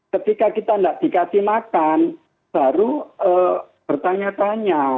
ketika kita tidak dikasih makan baru bertanya tanya